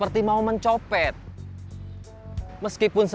astaga mungkin baru tidurnya